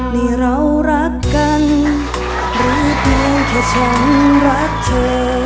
นี่เรารักกันรู้เพียงแค่ฉันรักเธอ